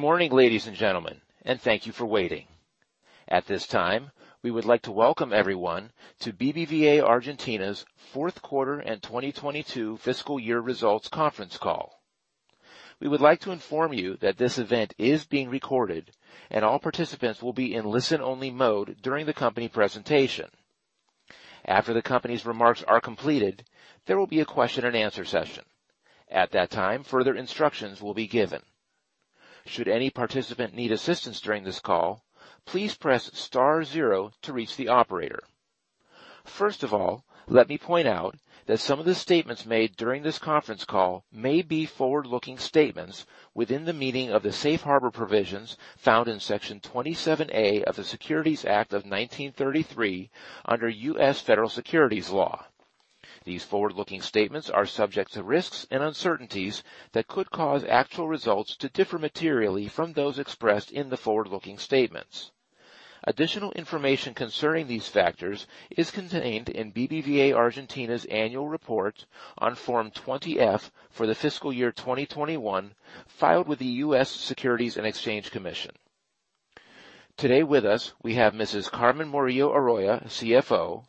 Good morning, ladies, and gentlemen, and thank you for waiting. At this time, we would like to welcome everyone to BBVA Argentina's Fourth Quarter and 2022 Fiscal Year Results Conference Call. We would like to inform you that this event is being recorded, and all participants will be in listen-only mode during the company presentation. After the company's remarks are completed, there will be a question-and-answer session. At that time, further instructions will be given. Should any participant need assistance during this call, please press star zero to reach the operator. First of all, let me point out that some of the statements made during this conference call may be forward-looking statements within the meaning of the safe harbor provisions found in Section 27A of the Securities Act of 1933 under U.S. Federal Securities Law. These forward-looking statements are subject to risks and uncertainties that could cause actual results to differ materially from those expressed in the forward-looking statements. Additional information concerning these factors is contained in BBVA Argentina's annual report on Form 20-F for the fiscal year 2021, filed with the U.S. Securities and Exchange Commission. Today with us, we have Mrs. Carmen Morillo Arroyo, CFO,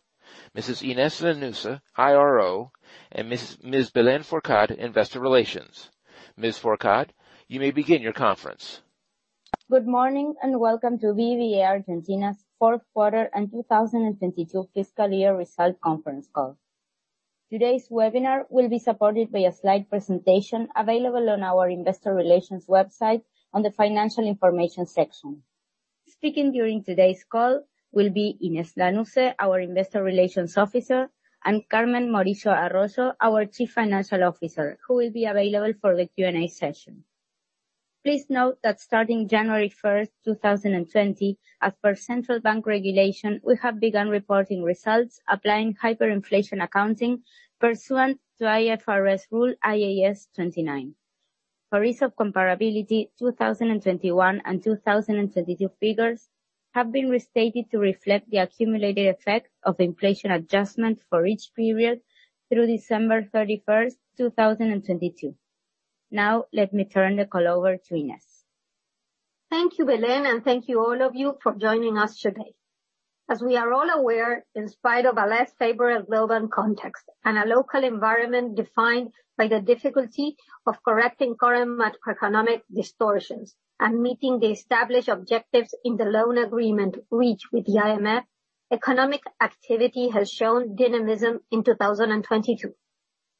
Mrs. Inés Lanusse, IRO, and Ms. Belén Fourcade, Investor Relations. Ms. Fourcade, you may begin your conference. Good morning, welcome to BBVA Argentina's Fourth Quarter and 2022 Fiscal Year Result Conference Call. Today's webinar will be supported by a slide presentation available on our Investor Relations website on the financial information section. Speaking during today's call will be Inés Lanusse, our Investor Relations Officer, and Carmen Morillo Arroyo, our Chief Financial Officer, who will be available for the Q&A session. Please note that starting January first, 2020, as per central bank regulation, we have begun reporting results applying hyperinflation accounting pursuant to IFRS rule IAS 29. For ease of comparability, 2021 and 2022 figures have been restated to reflect the accumulated effect of inflation adjustment for each period through December 31st, 2022. Now let me turn the call over to Inés. Thank you, Belén, thank you all of you for joining us today. As we are all aware, in spite of a less favorable global context and a local environment defined by the difficulty of correcting current macroeconomic distortions and meeting the established objectives in the loan agreement reached with the IMF, economic activity has shown dynamism in 2022.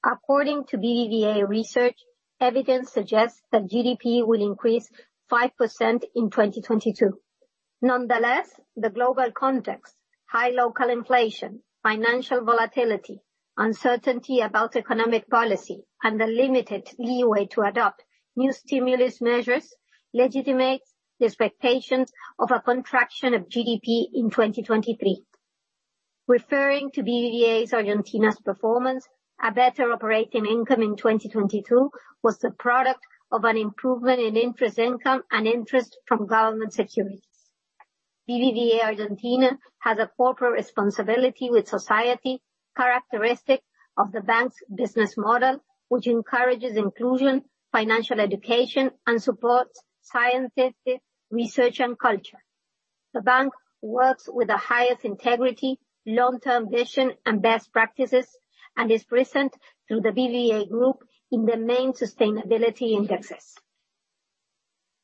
According to BBVA Research, evidence suggests that GDP will increase 5% in 2022. Nonetheless, the global context, high local inflation, financial volatility, uncertainty about economic policy, and the limited leeway to adopt new stimulus measures legitimates the expectations of a contraction of GDP in 2023. Referring to BBVA Argentina's performance, a better operating income in 2022 was the product of an improvement in interest income and interest from government securities. BBVA Argentina has a corporate responsibility with society, characteristic of the bank's business model, which encourages inclusion, financial education, and supports scientific research and culture. The bank works with the highest integrity, long-term vision, and best practices, and is present through the BBVA Group in the main sustainability indexes.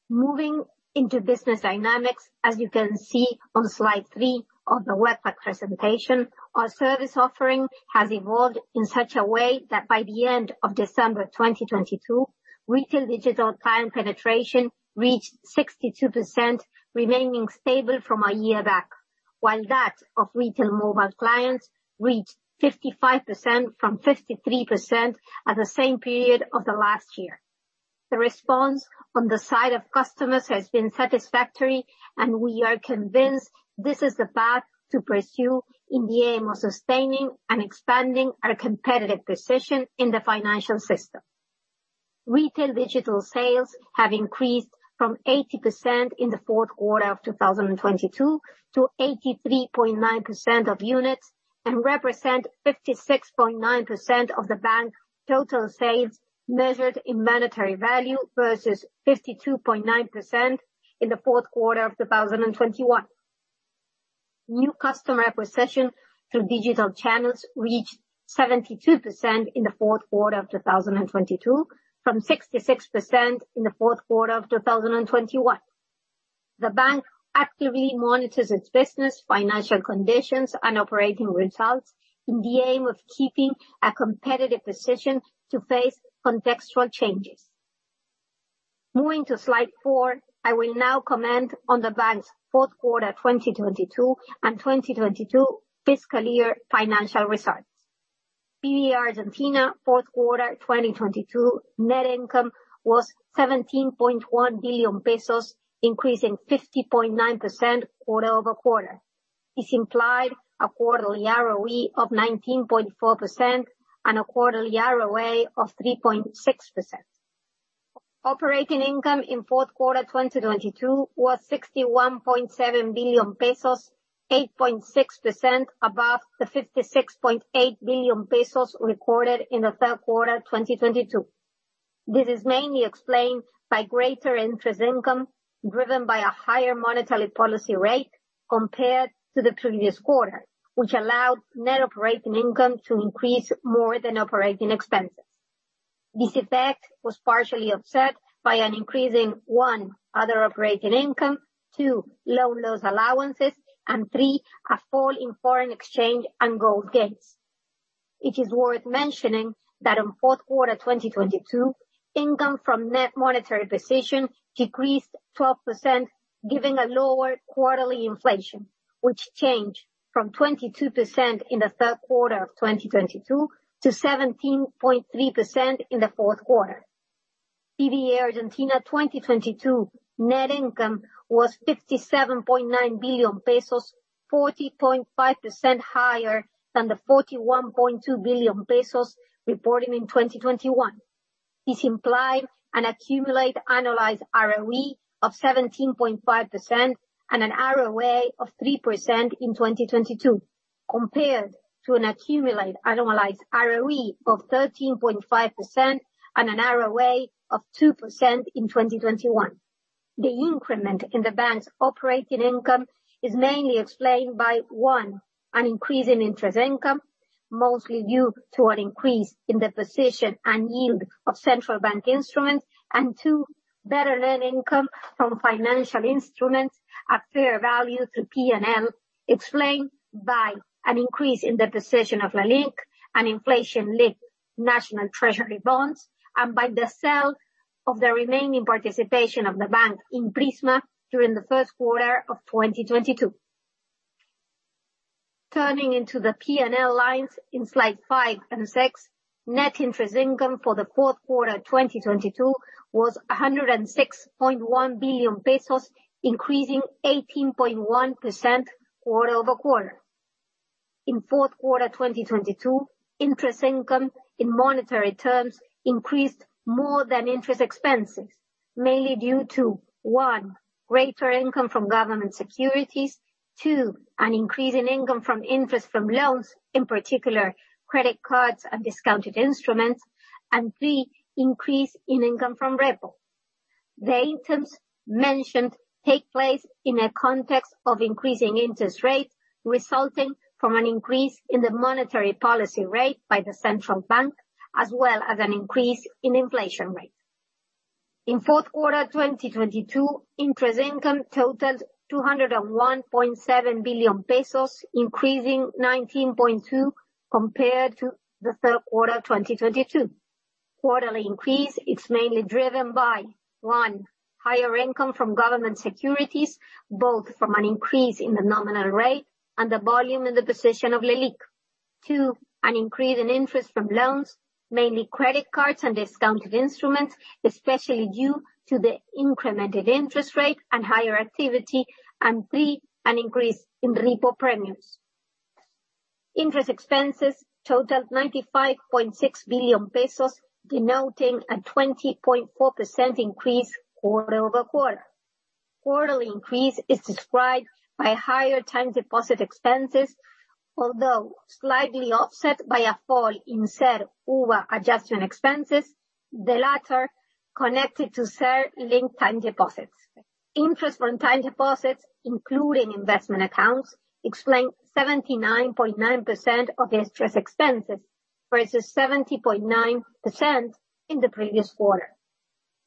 Moving into business dynamics, as you can see on slide three of the web presentation, our service offering has evolved in such a way that by the end of December 2022, retail digital client penetration reached 62%, remaining stable from a year back. While that of retail mobile clients reached 55% from 53% at the same period of the last year. The response on the side of customers has been satisfactory, and we are convinced this is the path to pursue in the aim of sustaining and expanding our competitive position in the financial system. Retail digital sales have increased from 80% in the fourth quarter of 2022 to 83.9% of units, and represent 56.9% of the bank's total sales measured in monetary value, versus 52.9% in the fourth quarter of 2021. New customer acquisition through digital channels reached 72% in the fourth quarter of 2022, from 66% in the fourth quarter of 2021. The bank actively monitors its business, financial conditions, and operating results in the aim of keeping a competitive position to face contextual changes. Moving to slide four, I will now comment on the bank's fourth quarter 2022 and 2022 fiscal year financial results. BBVA Argentina fourth quarter 2022 net income was 17.1 billion pesos, increasing 50.9% quarter-over-quarter. This implied a quarterly ROE of 19.4% and a quarterly ROA of 3.6%. Operating income in fourth quarter 2022 was 61.7 billion pesos. 8.6% above the 56.8 billion pesos recorded in the third quarter of 2022. This is mainly explained by greater interest income, driven by a higher monetary policy rate compared to the previous quarter, which allowed net operating income to increase more than operating expenses. This effect was partially offset by an increase in, one, other operating income, two, loan loss allowances, and three, a fall in foreign exchange and gold gains. It is worth mentioning that in fourth quarter 2022, income from net monetary position decreased 12%, giving a lower quarterly inflation, which changed from 22% in the third quarter of 2022 to 17.3% in the fourth quarter. BBVA Argentina 2022 net income was 57.9 billion pesos, 40.5% higher than the 41.2 billion pesos reported in 2021. This implied an accumulated annualized ROE of 17.5% and an ROA of 3% in 2022, compared to an accumulated annualized ROE of 13.5% and an ROA of 2% in 2021. The increment in the bank's operating income is mainly explained by, one, an increase in interest income, mostly due to an increase in the position and yield of central bank instruments, and two, better net income from financial instruments at fair value through P&L, explained by an increase in the position of LELIQ and inflation-linked national treasury bonds, and by the sale of the remaining participation of the bank in Prisma during the first quarter of 2022. Turning into the P&L lines in slide five and six, net interest income for the fourth quarter 2022 was ARS 106.1 billion, increasing 18.1% quarter-over-quarter. In fourth quarter 2022, interest income in monetary terms increased more than interest expenses, mainly due to, One, greater income from government securities, Two, an increase in income from interest from loans, in particular credit cards and discounted instruments, and Three, increase in income from REPO. The items mentioned take place in a context of increasing interest rates resulting from an increase in the monetary policy rate by the central bank, as well as an increase in inflation rate. In fourth quarter 2022, interest income totaled 201.7 billion pesos, increasing 19.2% compared to the third quarter of 2022. Quarterly increase is mainly driven by, One, higher income from government securities, both from an increase in the nominal rate and the volume in the position of LELIQ. Two, an increase in interest from loans, mainly credit cards and discounted instruments, especially due to the increment in interest rate and higher activity. Three, an increase in REPO premiums. Interest expenses totaled 95.6 billion pesos, denoting a 20.4% increase quarter-over-quarter. Quarterly increase is described by higher time deposit expenses, although slightly offset by a fall in CER-UVA adjustment expenses, the latter connected to CER-linked time deposits. Interest from time deposits, including investment accounts, explain 79.9% of the interest expenses, versus 70.9% in the previous quarter.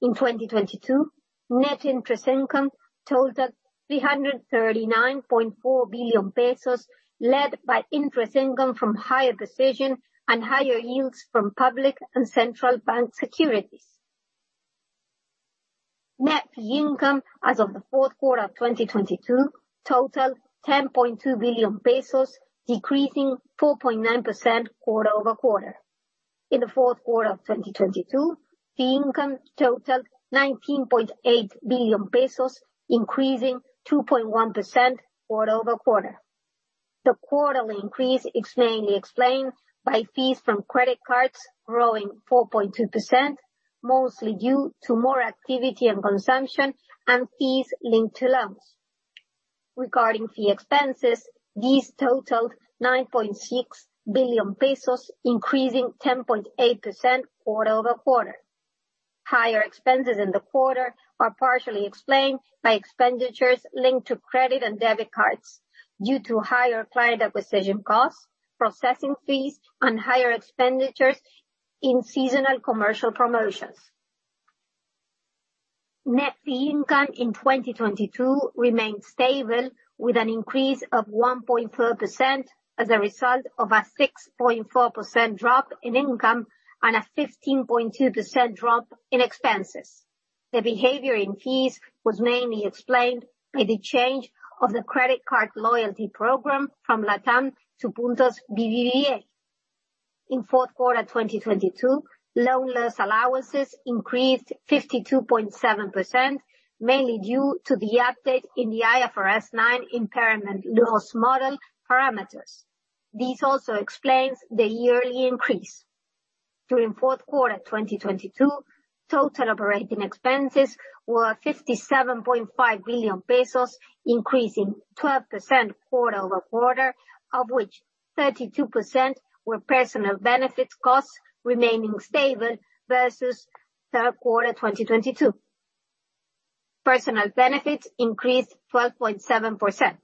In 2022, net interest income totaled 339.4 billion pesos, led by interest income from higher position and higher yields from public and central bank securities. Net fee income as of the fourth quarter of 2022 totaled 10.2 billion pesos, decreasing 4.9% quarter-over-quarter. In the fourth quarter of 2022, fee income totaled 19.8 billion pesos, increasing 2.1% quarter-over-quarter. The quarterly increase is mainly explained by fees from credit cards growing 4.2%, mostly due to more activity and consumption, and fees linked to loans. Regarding fee expenses, these totaled 9.6 billion pesos, increasing 10.8% quarter-over-quarter. Higher expenses in the quarter are partially explained by expenditures linked to credit and debit cards due to higher client acquisition costs, processing fees, and higher expenditures in seasonal commercial promotions. Net fee income in 2022 remained stable with an increase of 1.4% as a result of a 6.4% drop in income and a 15.2% drop in expenses. The behavior in fees was mainly explained by the change of the credit card loyalty program from LATAM to Puntos BBVA. In fourth quarter 2022, loan loss allowances increased 52.7%, mainly due to the update in the IFRS 9 impairment loss model parameters. This also explains the yearly increase. During fourth quarter 2022, total operating expenses were 57.5 billion pesos, increasing 12% quarter-over-quarter, of which 32% were personal benefits costs remaining stable versus third quarter 2022. Personal benefits increased 12.7%.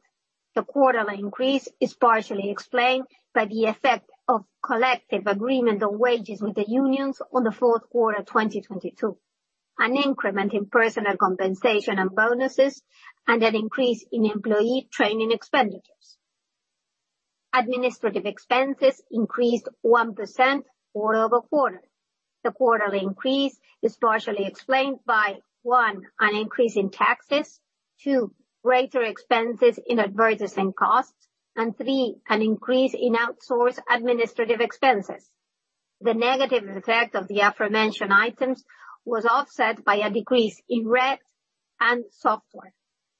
The quarterly increase is partially explained by the effect of collective agreement on wages with the unions on the fourth quarter, 2022, an increment in personal compensation and bonuses, and an increase in employee training expenditures. Administrative expenses increased 1% quarter-over-quarter. The quarterly increase is partially explained by, One, an increase in taxes, Two, greater expenses in advertising costs, and Three, an increase in outsourced administrative expenses. The negative effect of the aforementioned items was offset by a decrease in rent and software.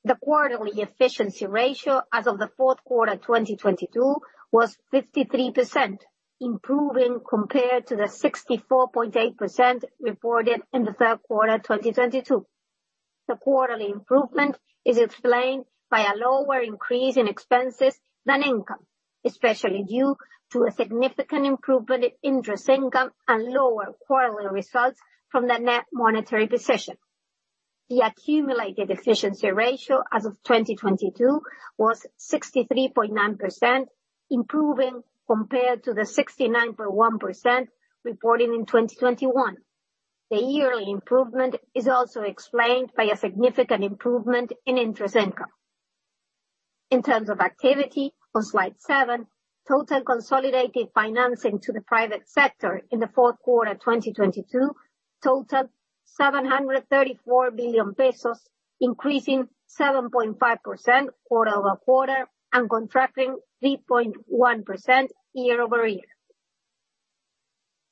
The quarterly efficiency ratio as of the fourth quarter, 2022, was 53%, improving compared to the 64.8% reported in the third quarter, 2022. The quarterly improvement is explained by a lower increase in expenses than income, especially due to a significant improvement in interest income and lower quarterly results from the net monetary position. The accumulated efficiency ratio as of 2022 was 63.9%, improving compared to the 69.1% reported in 2021. The yearly improvement is also explained by a significant improvement in interest income. In terms of activity, on slide seven, total consolidated financing to the private sector in the fourth quarter, 2022 totaled 734 billion pesos, increasing 7.5% quarter-over-quarter and contracting 3.1% year-over-year.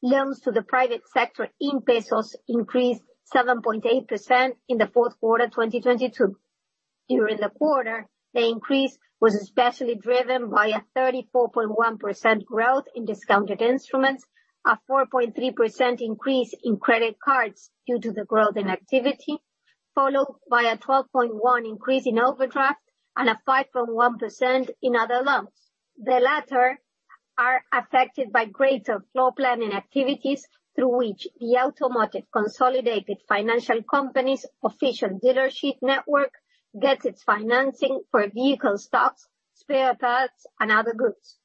Loans to the private sector in pesos increased 7.8% in the fourth quarter, 2022. During the quarter, the increase was especially driven by a 34.1% growth in discounted instruments, a 4.3% increase in credit cards due to the growth in activity, followed by a 12.1% increase in overdraft and a 5.1% in other loans. The latter are affected by greater flow planning activities, through which the automotive consolidated financial company's official dealership network gets its financing for vehicle stocks, spare parts, and other goods.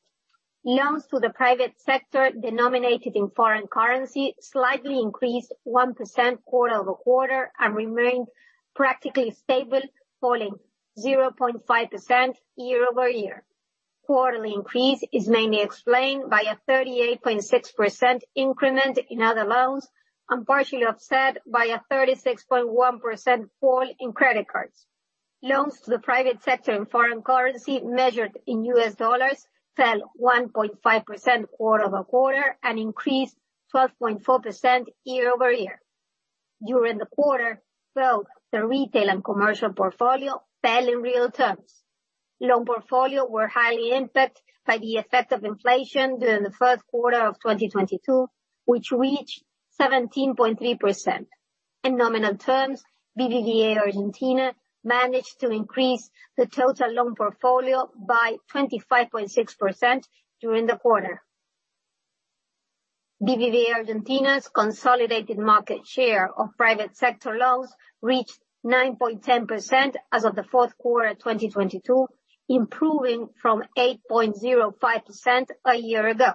Loans to the private sector denominated in foreign currency slightly increased 1% quarter-over-quarter and remained practically stable, falling 0.5% year-over-year. Quarterly increase is mainly explained by a 38.6% increment in other loans, and partially offset by a 36.1% fall in credit cards. Loans to the private sector in foreign currency measured in U.S. dollars fell 1.5% quarter-over-quarter and increased 12.4% year-over-year. During the quarter, both the retail and commercial portfolio fell in real terms. Loan portfolio were highly impact by the effect of inflation during the first quarter of 2022, which reached 17.3%. In nominal terms, BBVA Argentina managed to increase the total loan portfolio by 25.6% during the quarter. BBVA Argentina's consolidated market share of private sector loans reached 9.10% as of the fourth quarter, 2022, improving from 8.05% a year ago.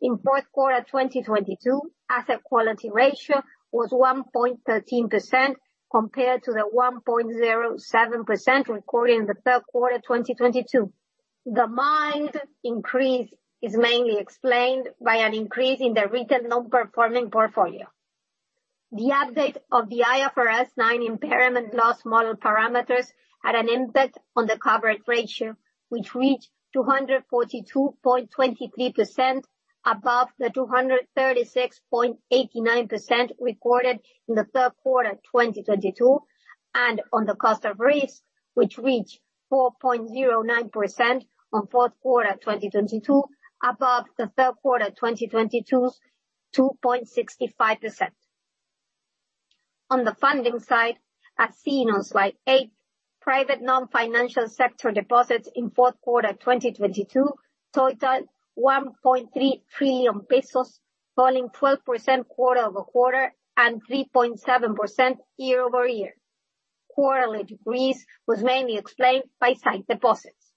In fourth quarter, 2022, asset quality ratio was 1.13% compared to the 1.07% recorded in the third quarter, 2022. The mined increase is mainly explained by an increase in the retail non-performing portfolio. The update of the IFRS 9 impairment loss model parameters had an impact on the coverage ratio, which reached 242.23%, above the 236.89% recorded in the third quarter 2022, and on the cost of risk, which reached 4.09% on fourth quarter 2022, above the third quarter 2022's 2.65%. On the funding side, as seen on slide eight, private non-financial sector deposits in fourth quarter 2022 totaled 1.3 trillion pesos, falling 12% quarter-over-quarter and 3.7% year-over-year. Quarterly decrease was mainly explained by sight deposits.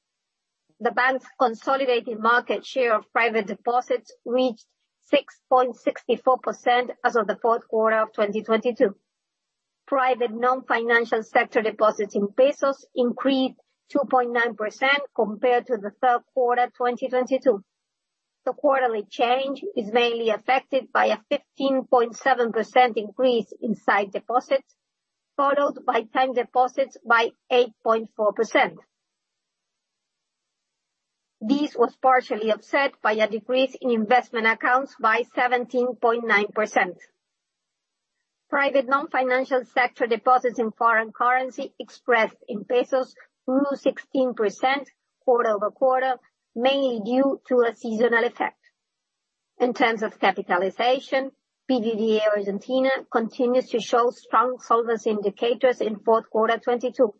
The bank's consolidated market share of private deposits reached 6.64% as of the fourth quarter of 2022. Private non-financial sector deposits in pesos increased 2.9% compared to the third quarter 2022. The quarterly change is mainly affected by a 15.7% increase in sight deposits, followed by time deposits by 8.4%. This was partially offset by a decrease in investment accounts by 17.9%. Private non-financial sector deposits in foreign currency expressed in pesos grew 16% quarter-over-quarter, mainly due to a seasonal effect. In terms of capitalization, BBVA Argentina continues to show strong solvency indicators in fourth quarter 2022.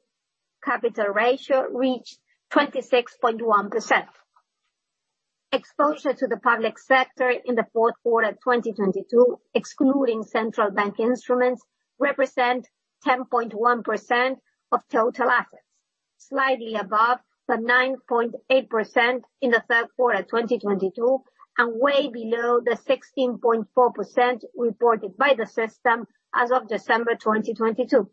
Capital ratio reached 26.1%. Exposure to the public sector in the fourth quarter 2022, excluding central bank instruments, represent 10.1% of total assets, slightly above the 9.8% in the third quarter 2022 and way below the 16.4% reported by the system as of December 2022.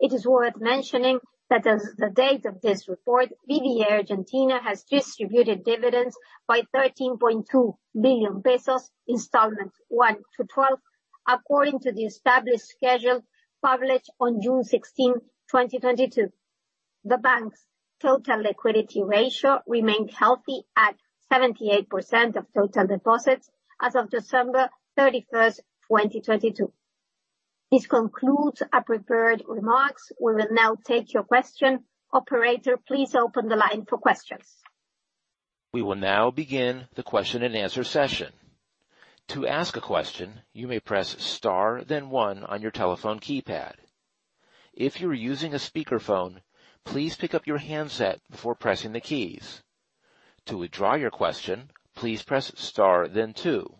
It is worth mentioning that as the date of this report, BBVA Argentina has distributed dividends by 13.2 billion pesos installments one to 12 according to the established schedule published on June 16th, 2022. The bank's total liquidity ratio remained healthy at 78% of total deposits as of December 31st, 2022. This concludes our prepared remarks. We will now take your question. Operator, please open the line for questions. We will now begin the question-and-answer session. To ask a question, you may press star then one on your telephone keypad. If you're using a speakerphone, please pick up your handset before pressing the keys. To withdraw your question, please press star then two.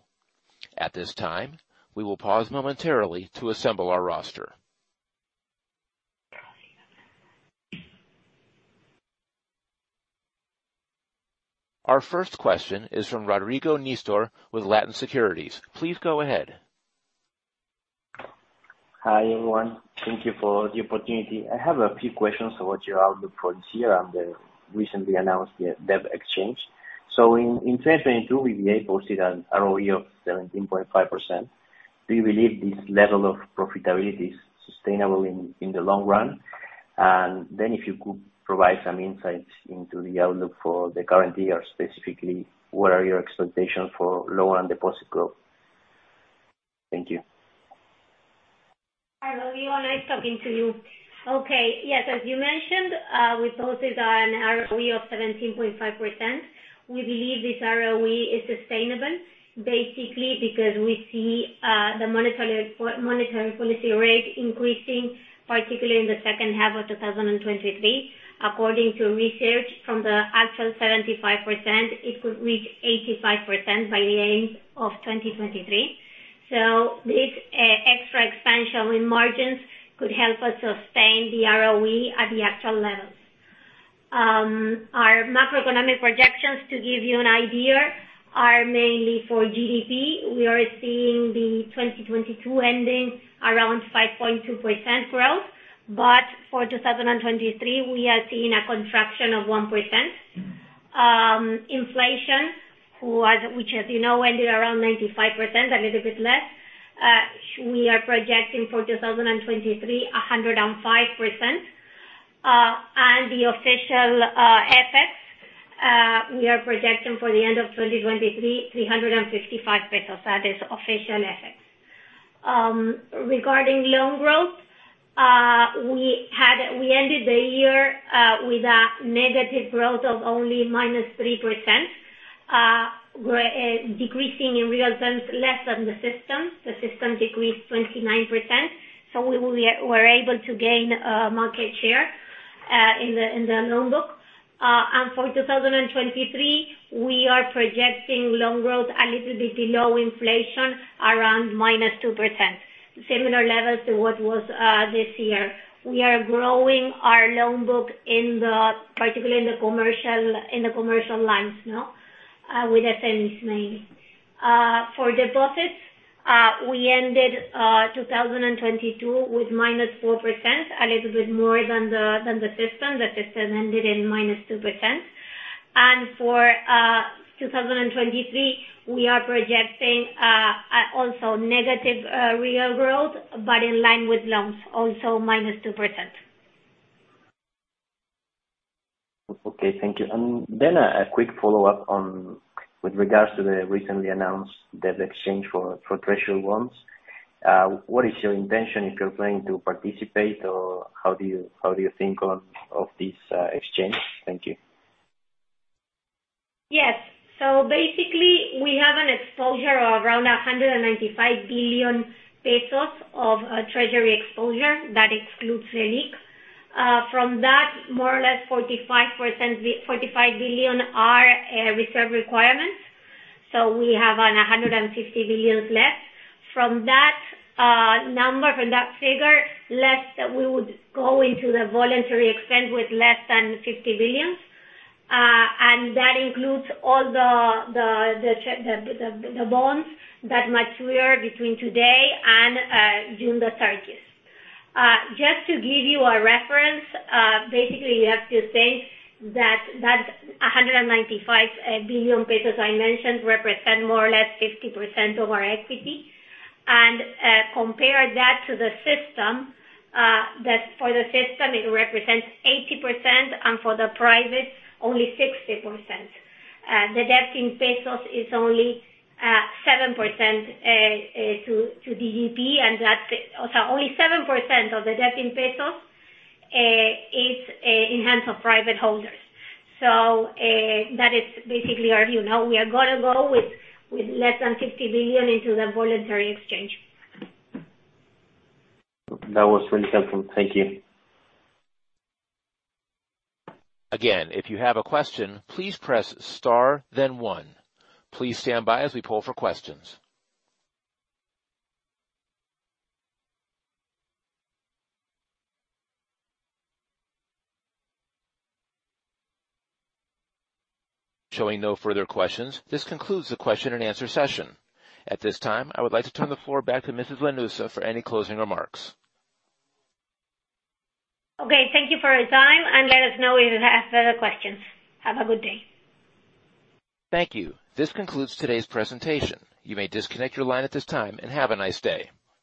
At this time, we will pause momentarily to assemble our roster. Our first question is from Rodrigo Nistor with Latin Securities. Please go ahead. Hi, everyone. Thank you for the opportunity. I have a few questions about your outlook for this year and the recently announced debt exchange. In 2022, BBVA posted an ROE of 17.5%. Do you believe this level of profitability is sustainable in the long run? If you could provide some insights into the outlook for the current year, specifically, what are your expectations for loan deposit growth? Thank you. Hi, Rodrigo. Nice talking to you. Okay, yes, as you mentioned, we posted an ROE of 17.5%. We believe this ROE is sustainable, basically because we see the monetary policy rate increasing, particularly in the second half of 2023. According to research from the actual 75%, it could reach 85% by the end of 2023. This extra expansion in margins could help us sustain the ROE at the actual levels. Our macroeconomic projections, to give you an idea, are mainly for GDP. We are seeing the 2022 ending around 5.2% growth. For 2023, we are seeing a contraction of 1%. Inflation, which, as you know, ended around 95%, a little bit less. We are projecting for 2023, 105%. The official FX, we are projecting for the end of 2023, 355 pesos. That is official FX. Regarding loan growth, we ended the year with a negative growth of only -3%, decreasing in real terms less than the system. The system decreased 29%, we're able to gain market share in the loan book. For 2023, we are projecting loan growth a little bit below inflation, around -2%. Similar levels to what was this year. We are growing our loan book particularly in the commercial, in the commercial lines now, with SMEs mainly. For deposits, we ended 2022 with -4%, a little bit more than the system. The system ended in -2%. For 2023, we are projecting also negative real growth, but in line with loans, also -2%. Okay, thank you. Then a quick follow-up on with regards to the recently announced debt exchange for treasury loans. What is your intention if you're planning to participate or how do you think of this exchange? Thank you. Yes. Basically we have an exposure of around 195 billion pesos of treasury exposure that excludes LELIQ. From that, more or less 45 billion are reserve requirements. We have 150 billion left. From that number, from that figure, less that we would go into the voluntary exchange with less than 50 billion. That includes all the bonds that mature between today and June the thirtieth. Just to give you a reference, basically you have to say that 195 billion pesos I mentioned represent more or less 50% of our equity. Compare that to the system, that for the system it represents 80% and for the private only 60%. The debt in ARS is only 7% to GDP and sorry, only 7% of the debt in ARS is in hands of private holders. That is basically our view. Now we are gonna go with less than 50 billion into the voluntary exchange. That was really helpful. Thank you. Again, if you have a question, please press star then one. Please stand by as we poll for questions. Showing no further questions, this concludes the question-and-answer session. At this time, I would like to turn the floor back to Mrs. Lanusse for any closing remarks. Okay, thank you for your time, and let us know if you have further questions. Have a good day. Thank you. This concludes today's presentation. You may disconnect your line at this time and have a nice day.